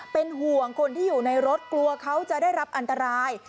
เป็นห่วงคนที่อยู่ในรถกลัวเขาจะได้รับอันตราย